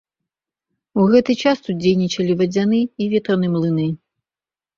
У гэты час тут дзейнічалі вадзяны і ветраны млыны.